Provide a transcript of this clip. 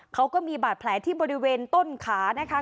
เขาก็มีบาดแผลที่บริเวณต้นขานะคะ